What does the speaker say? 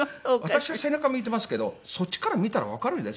私は背中向いてますけどそっちから見たらわかるでしょ。